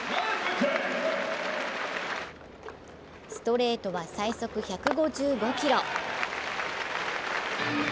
ストレートは最速１５５キロ。